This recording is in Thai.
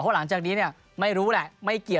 เพราะหลังจากนี้เนี่ยไม่รู้แหละไม่เกี่ยว